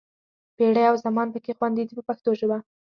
پېړۍ او زمان پکې خوندي دي په پښتو ژبه.